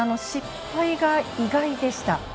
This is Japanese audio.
失敗が意外でした。